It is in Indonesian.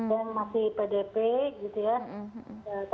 yang masih pdp gitu ya